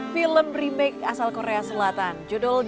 film remake asal korea selatan judul